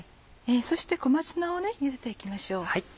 そして小松菜をゆでて行きましょう。